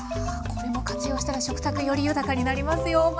これも活用したら食卓より豊かになりますよ。